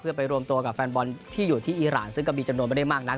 เพื่อไปรวมตัวกับแฟนบอลที่อยู่ที่อีรานซึ่งก็มีจำนวนไม่ได้มากนัก